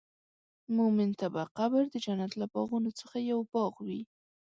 مؤمن ته به قبر د جنت له باغونو څخه یو باغ وي.